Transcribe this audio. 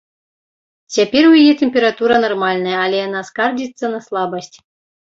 Цяпер у яе тэмпература нармальная, але яна скардзіцца на слабасць.